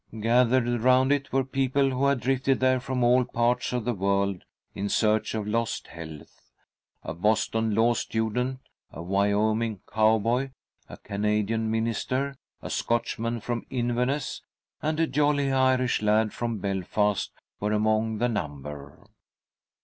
Gathered around it were people who had drifted there from all parts of the world in search of lost health. A Boston law student, a Wyoming cowboy, a Canadian minister, a Scotchman from Inverness, and a jolly Irish lad from Belfast were among the number.